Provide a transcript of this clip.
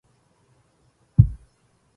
فسيرا فلا شيخين أحمق منكما